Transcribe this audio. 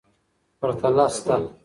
پرتله سته.